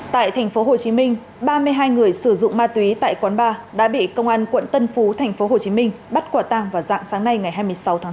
tại tp hồ chí minh ba mươi hai người sử dụng ma túy tại quán bar đã bị công an quận tân phú tp hồ chí minh bắt quả tăng vào dạng sáng nay ngày hai mươi sáu tháng sáu